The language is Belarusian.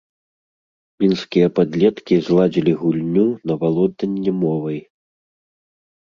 Мінскія падлеткі зладзілі гульню на валоданне мовай.